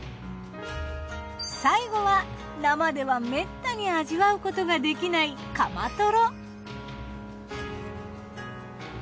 最後は生ではめったに味わうことができないカマトロ。